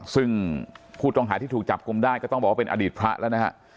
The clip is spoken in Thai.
ซึ่งผู้ต้องหาที่ถูกจับกลุ่มได้ก็ต้องบอกว่าเป็นอดีตพระแล้วนะฮะ